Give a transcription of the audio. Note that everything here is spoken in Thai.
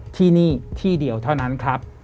ที่นี่ที่เดียวเท่านั้นครับ